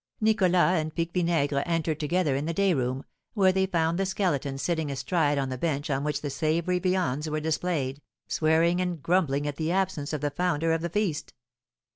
Nicholas and Pique Vinaigre entered together into the day room, where they found the Skeleton sitting astride on the bench on which the savoury viands were displayed, swearing and grumbling at the absence of the founder of the feast.